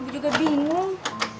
bu juga bingung